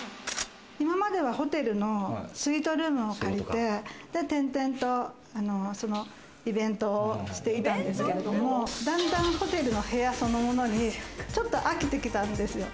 今までは、ホテルのスイートスームを借りて、点々とイベントをしていたんですけれども、だんだんホテルの部屋そのものにちょっと飽きてきたんですよ。